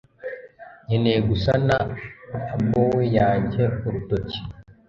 Nkeneye gusana oboe yanjye. (Urutoki)